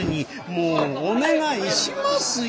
もうお願いしますよ。